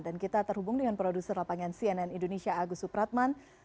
dan kita terhubung dengan produser lapangan cnn indonesia agus supratman